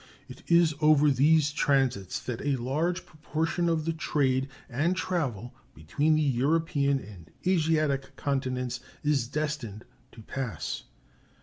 It is over these transits that a large proportion of the trade and travel between the European and Asiatic continents is destined to pass.